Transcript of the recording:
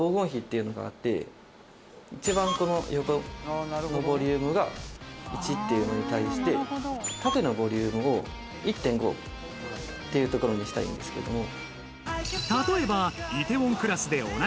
一番この横のボリュームが１っていうのに対して縦のボリュームを１．５っていうところにしたいんですけども例えば「梨泰院クラス」でおなじみ